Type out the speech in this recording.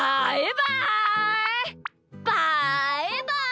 バイバイ！